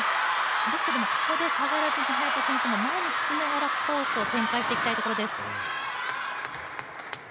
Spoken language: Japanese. ですけれどもここで下がらずに早田選手も前について、コースを展開していきたいところです。